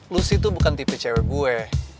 lu sih tuh bukan tipe cewek gue